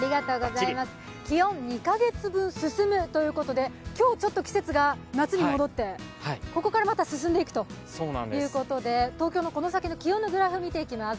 気温２か月分進むということで、今日ちょっと季節が夏に戻ってここからまた進んでいくということで東京のこの先の気温のグラフを見ていきます。